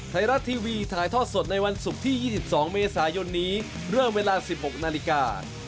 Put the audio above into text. ไทยรัฐทีวีถ่ายทอดสดในวันศุกร์ที่๒๒เมษายนนี้เริ่มเวลา๑๖นาฬิกา